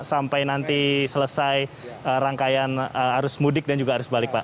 sampai nanti selesai rangkaian arus mudik dan juga arus balik pak